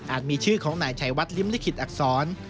มีชื่อของนายชัยวัดลิ้มลิขิตอักษร